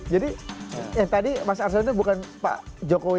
jadi tadi mas arsena bukan pak jokowi